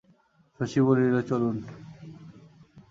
শশী বলিল, চলুন।